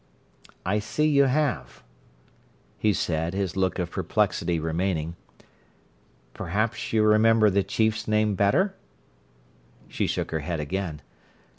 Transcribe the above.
"I see you have," he said, his look of perplexity remaining. "Perhaps you remember the chief's name better." She shook her head again.